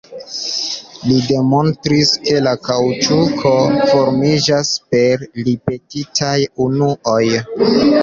Li demonstris ke la kaŭĉuko formiĝas per ripetitaj unuoj.